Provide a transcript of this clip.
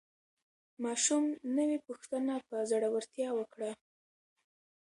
ماشوم نوې پوښتنه په زړورتیا وکړه